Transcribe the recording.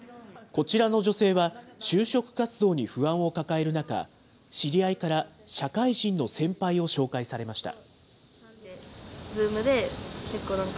こちらの女性は、就職活動に不安を抱える中、知り合いから社会人の先輩を紹介されました。